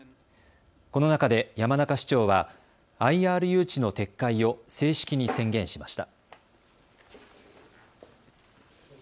この中で山中市長はＩＲ誘致の撤回を正式に宣言しました。